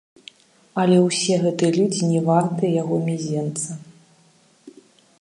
Але ўсе гэтыя людзі не вартыя яго мезенца.